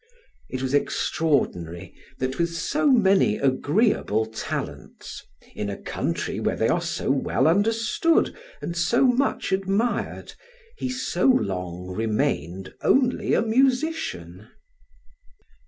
It was extraordinary that with so many agreeable talents, in a country where they are so well understood, and so much admired, he so long remained only a musician.